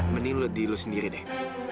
mending lu diilu sendiri deh